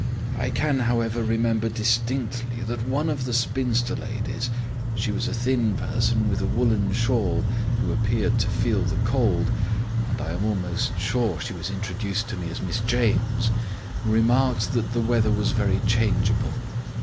I can, however, remember distinctly that one of the spinster ladies (she was a thin person with a woollen shawl, who appeared to feel the cold, and I am almost sure she was introduced to me as Miss James) remarked that the weather was very changeable.